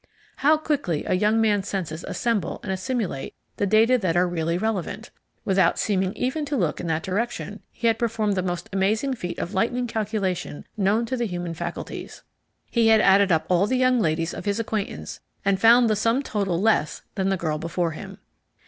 How quickly a young man's senses assemble and assimilate the data that are really relevant! Without seeming even to look in that direction he had performed the most amazing feat of lightning calculation known to the human faculties. He had added up all the young ladies of his acquaintance, and found the sum total less than the girl before him.